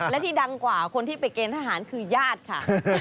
และที่ดังกว่าคนที่ไปเกณฑ์ทหารคือญาติค่ะ